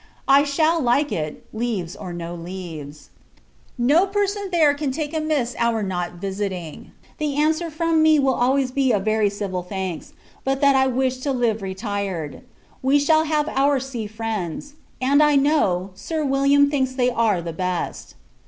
I shall like it, leaves or no leaves. No person there can take amiss our not visiting. The answer from me will always be very civil thanks, but that I wish to live retired. We shall have our sea friends; and, I know, Sir William thinks they are the best.